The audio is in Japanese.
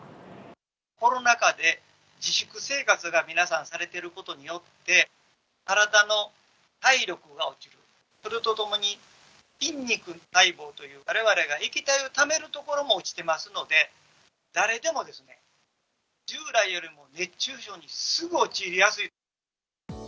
コロナ禍で、自粛生活が皆さん、されてることによって、体の体力が落ちる、それとともに、筋肉細胞という、われわれが液体をためる所も落ちてますので、誰でもですね、従来よりも熱中症にすぐ陥りやすい。